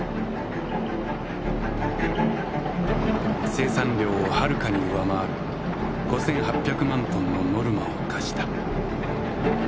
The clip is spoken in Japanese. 生産量をはるかに上回る５８００万トンのノルマを課した。